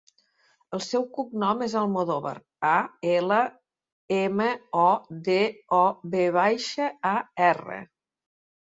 El seu cognom és Almodovar: a, ela, ema, o, de, o, ve baixa, a, erra.